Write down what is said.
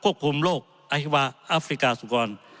เพื่อกันควบคุมโรคอธิบายอาศิกาสุขรรค์